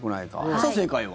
さあ、正解は？